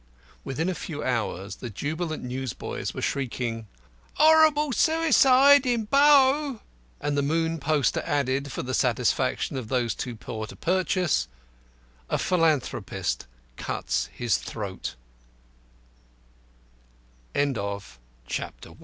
Within a few hours the jubilant newsboys were shrieking "Horrible Suicide in Bow," and The Moon poster added, for the satisfaction of those too poor to purchase, "A Philanthropist Cuts His Throat." II But the newspapers were premature.